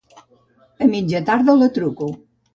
A mitja tarda la truco.